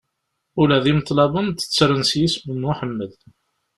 Ula d imeḍlaben tettren s yisem n Muḥemmed.